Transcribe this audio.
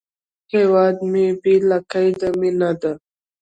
هیواد مې بې له قیده مینه ده